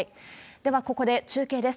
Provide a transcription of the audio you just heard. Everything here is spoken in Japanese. ではここで中継です。